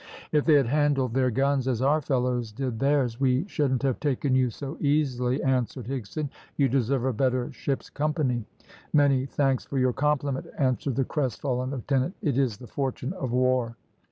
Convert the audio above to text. "If they had handled their guns as our fellows did theirs, we shouldn't have taken you so easily," answered Higson. "You deserve a better ship's company." "Many thanks for your compliment," answered the crestfallen lieutenant. "It is the fortune of war."